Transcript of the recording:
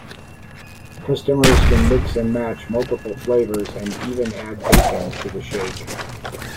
Customers can mix and match multiple flavors, and even add bacon to the shake.